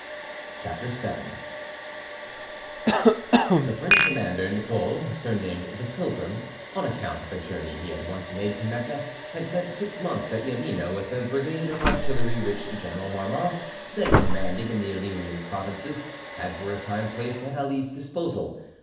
CHAPTER VII The French commander Nicole, surnamed the "Pilgrim," on account of a journey he had once made to Mecca, had spent six months at Janina with a brigade of artillery which General Marmont, then commanding in the Illyrian provinces, had for a time placed at Ali's disposal.